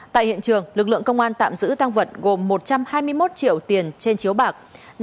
tại hiện trường lực lượng công an tạm giữ tăng vật gồm một trăm hai mươi một triệu tiền trên chiếu bạc